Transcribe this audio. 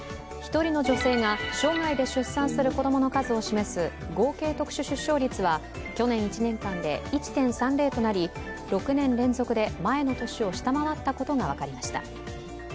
１人の女性が生涯で出産する子供の数を示す合計特殊出生率は去年１年間で１．３０となり６年連続で前の年を下回ったことが分かりました。